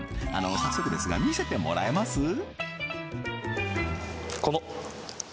あの早速ですが見せてもらえます？